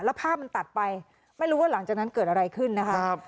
แล้วภาพมันตัดไปไม่รู้ว่าหลังจากนั้นเกิดอะไรขึ้นนะคะ